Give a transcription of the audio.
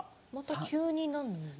急に、なんで？